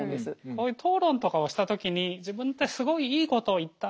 こういう討論とかをした時に自分ってすごいいいことを言った。